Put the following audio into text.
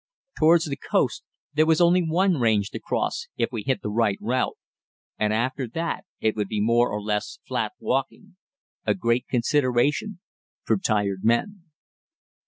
Towards the coast there was only one range to cross, if we hit the right route, and after that it would be more or less flat walking a great consideration for tired men.